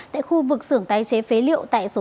tại khu vực xưởng tái chế phế liệu